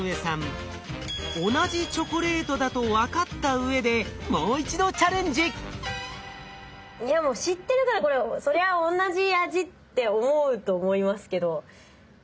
同じチョコレートだと分かったうえでいやもう知ってるからこれそりゃ同じ味って思うと思いますけど。